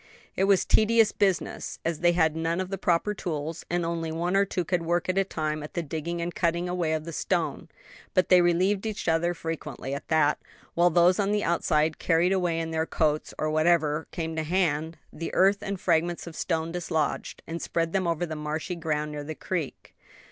It was a tedious business, as they had none of the proper tools, and only one or two could work at a time at the digging and cutting away of the stone; but they relieved each other frequently at that, while those on the outside carried away in their coats or whatever came to hand, the earth and fragments of stone dislodged, and spread them over the marshy ground near the creek.